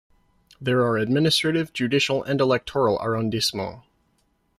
There are administrative, judicial and electoral arrondissements.